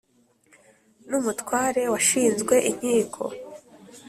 n' umutware washinzwe inkiko.